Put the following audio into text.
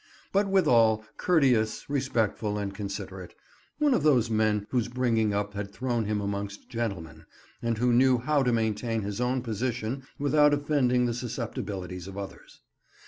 but withal courteous, respectful, and considerate—one of those men whose bringing up had thrown him amongst gentlemen, and who knew how to maintain his own position without offending the susceptibilities of others.